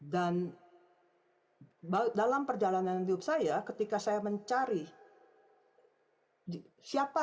dan dalam perjalanan hidup saya ketika saya mencari